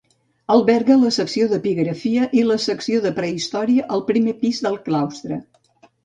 Alberga la secció d'epigrafia i la secció de prehistòria al primer pis del claustre.